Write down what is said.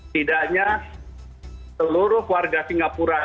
tidaknya seluruh warga singapura di atas ini